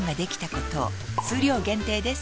数量限定です